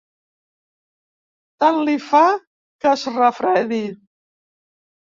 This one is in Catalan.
Tant li fa que es refredi.